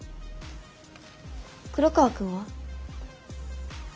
黒川くんは？